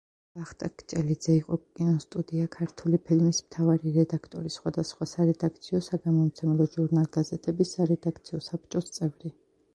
ვახტანგ ჭელიძე იყო კინოსტუდია „ქართული ფილმის“ მთავარი რედაქტორი, სხვადასხვა სარედაქციო-საგამომცემლო, ჟურნალ-გაზეთების სარედაქციო საბჭოს წევრი.